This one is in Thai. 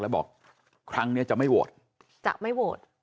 แล้วบอกครั้งนี้จะไม่โหวตจะไม่โหวต